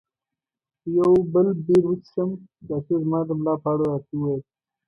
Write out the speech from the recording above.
یو بل بیر وڅښم؟ ډاکټر زما د ملا په اړه راته وویل.